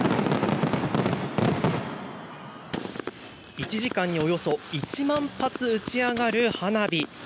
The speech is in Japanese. １時間におよそ１万発打ち上がる花火。